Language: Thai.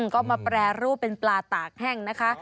ก็มาแปรรูปเป็นปลาตากแห้งนะคะ